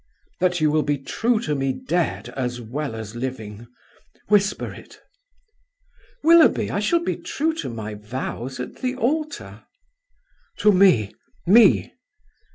"That you will be true to me dead as well as living! Whisper it." "Willoughby, I shall be true to my vows at the altar." "To me! me!"